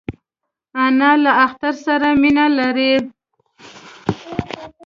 انا له اختر سره مینه لري